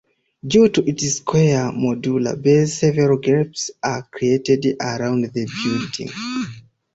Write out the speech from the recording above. Due to its square modular base several gaps are created around the building.